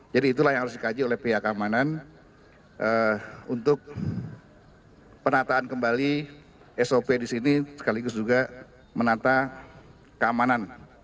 itulah yang harus dikaji oleh pihak keamanan untuk penataan kembali sop di sini sekaligus juga menata keamanan